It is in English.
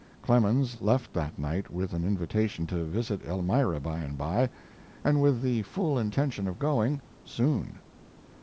Clemens left that night with an invitation to visit Elmira by and by, and with the full intention of going soon.